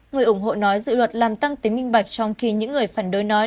người ủng hộ nói dự luật làm tăng tính minh bạch trong khi những người phản đối nói